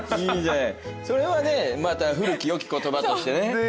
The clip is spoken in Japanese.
それはねまた古きよき言葉としてねちゃんと。